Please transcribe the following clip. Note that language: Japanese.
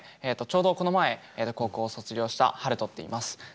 ちょうどこの前高校を卒業したハルトっていいます。